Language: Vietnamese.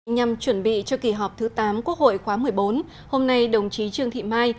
nhằm chuẩn bị cho kỳ họp thứ tám quốc hội khóa một mươi bốn hôm nay đồng chí trương thị mai